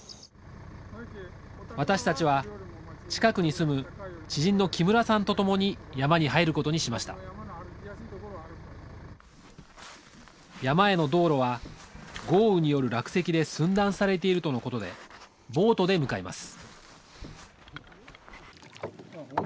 私たちは近くに住む知人の木村さんと共に山に入ることにしました山への道路は豪雨による落石で寸断されているとのことでボートで向かいます